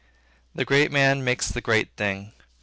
The great man makes the great thing.